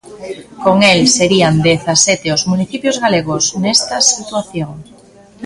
Con el, serían dezasete os municipios galegos nesta situación.